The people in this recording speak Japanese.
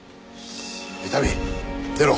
伊丹出ろ。